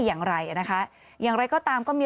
อย่างไรนะคะอย่างไรก็ตามก็มี